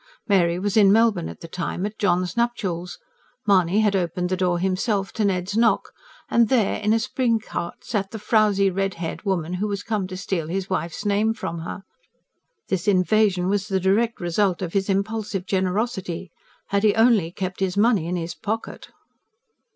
Mary was in Melbourne at the time, at John's nuptials; Mahony had opened the door himself to Ned's knock; and there, in a spring cart, sat the frowsy, red haired woman who was come to steal his wife's name from her. This invasion was the direct result of his impulsive generosity. Had he only kept his money in his pocket!